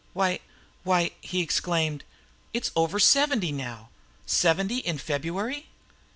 "Why why," he exclaimed, "it's over seventy now! Seventy in February!